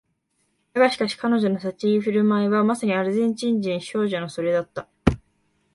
だがしかし彼女の立ち居振る舞いはまさにアルゼンチン人少女のそれだった